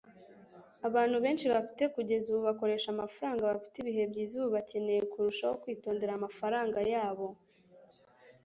abantu benshi bafite kugeza ubu bakoresha amafaranga bafite ibihe byiza ubu bakeneye kurushaho kwitondera amafaranga yabo